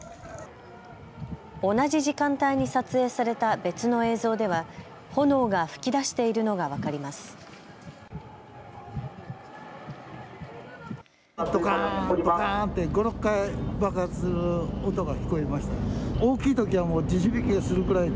同じ時間帯に撮影された別の映像では炎が噴き出しているのが分かります。